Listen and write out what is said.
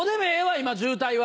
今渋滞は。